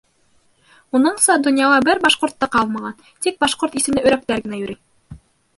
Уныңса, донъяла бер башҡорт та ҡалмаған, тик башҡорт исемле өрәктәр генә йөрөй.